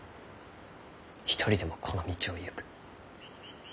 一人でもこの道を行く。